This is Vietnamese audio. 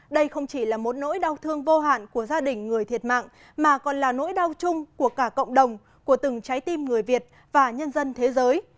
đây không chỉ là một nỗi đau thương vô hạn của gia đình người thiệt mạng mà còn là nỗi đau chung của cả cộng đồng của từng trái tim người việt và nhân dân thế giới